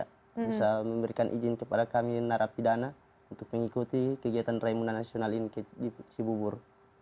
kita bisa memberikan izin kepada kami narapidana untuk mengikuti kegiatan raimuna nasional ini di cibubur